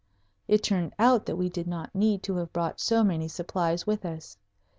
It turned out that we did not need to have brought so many supplies with us.